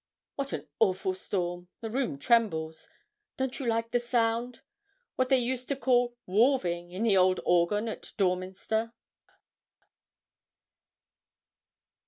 What an awful storm! The room trembles. Don't you like the sound? What they used to call 'wolving' in the old organ at Dorminster!'